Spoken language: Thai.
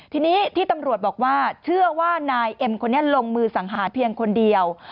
ทีนี้ที่ตำรวจบอกว่าเชื่อว่านายเอ็มคนนี้ลงมือสังหาเพียงคนเดียว